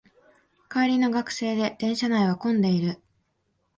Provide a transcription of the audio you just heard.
帰りの学生で電車内は混んでいる